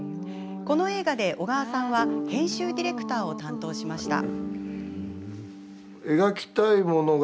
この映画で小川さんは編集ディレクターを担当しました。